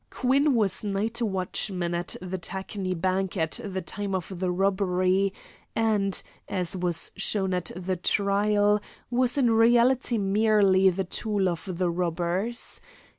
Quinn was night watchman at the Tacony bank at the time of the robbery, and, as was shown at the trial, was in reality merely the tool of the robbers.